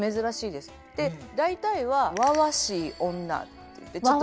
で大体はわわしい女っていってちょっと。